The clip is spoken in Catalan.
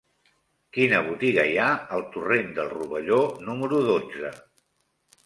Quina botiga hi ha al torrent del Rovelló número dotze?